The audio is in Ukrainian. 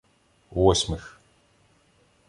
Восьмих